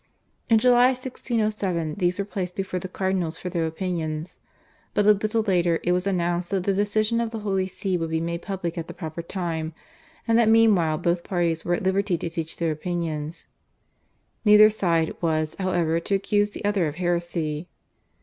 In July 1607 these were placed before the cardinals for their opinions, but a little later it was announced that the decision of the Holy See would be made public at the proper time, and that meanwhile both parties were at liberty to teach their opinions. Neither side was, however, to accuse the other of heresy.